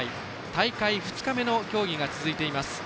大会２日目の競技が続いています。